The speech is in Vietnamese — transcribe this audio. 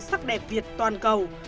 sắc đẹp việt toàn cầu